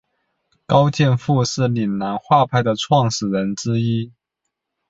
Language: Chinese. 高剑父是岭南画派的创始人之一。